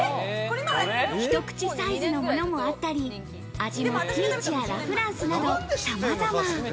一口サイズのものもあったり、味にピーチやラフランスなど様々。